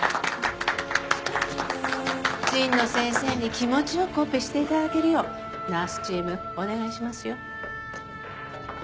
神野先生に気持ち良くオペして頂けるようナースチームお願いしますよ。